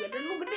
badan lu gede